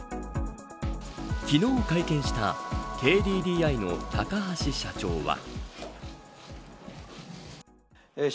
昨日会見したＫＤＤＩの高橋社長は。